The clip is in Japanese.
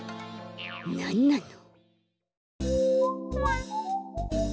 なんなの！？